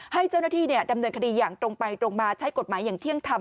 ให้เจ้าหน้าที่ดำเนินคดีอย่างตรงไปตรงมาใช้กฎหมายอย่างเที่ยงธรรม